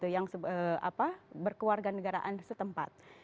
yang berkeluarga negaraan setempat